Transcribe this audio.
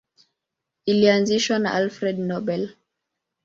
Ilianzishwa na Alfred Nobel.